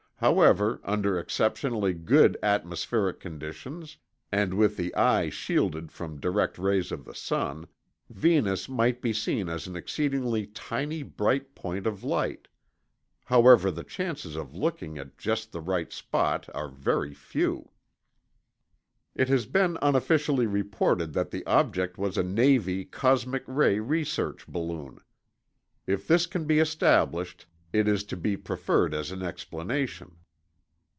However, under exceptionally good atmospheric conditions, and with the eye shielded from direct rays of the sun, Venus might be seen as an exceedingly tiny bright point of light. ... However, the chances of looking at just the right spot are very few. It has been unofficially reported that the object was a Navy cosmic ray research balloon. If this can be established, it Is to be preferred as an explanation.